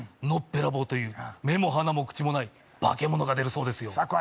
「のっぺらぼうという目も鼻も口もない」「化け物が出るそうですよ」